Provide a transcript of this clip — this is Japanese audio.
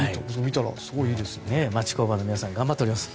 町工場の皆さんが頑張っています。